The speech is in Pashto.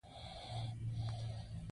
که نه به ورتلم زړه تنګۍ و.